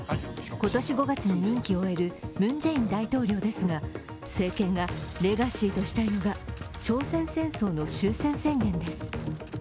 今年５月に任期を終えるムン・ジェイン大統領ですが、政権がレガシーとしたいのが朝鮮戦争の終戦宣言です。